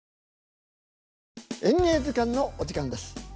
「演芸図鑑」のお時間です。